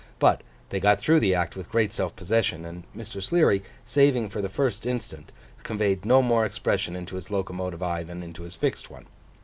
But they got through the Act with great self possession; and Mr. Sleary, saving for the first instant, conveyed no more expression into his locomotive eye than into his fixed one.